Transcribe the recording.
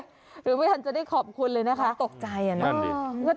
หรือไม่ทันจะได้ขอบคุณเลยนะคะตกใจนะ